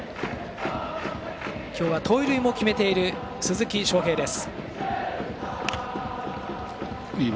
今日は盗塁も決めている鈴木将平です。